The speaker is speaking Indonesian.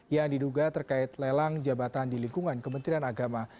yang diduga terkait lelang jabatan di lingkungan kementerian agama